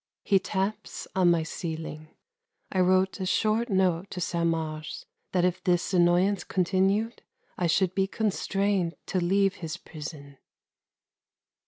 He taps on my ceiling. I wrote a short note to Saint Mars that if this annoyance continued I should be constrained to leave his prison.